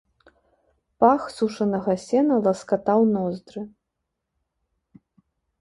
Пах сушанага сена ласкатаў ноздры.